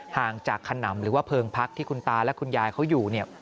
ห่างจากขนำหรือว่าเพลิงพักที่คุณตาและคุณยายเขาอยู่เนี่ย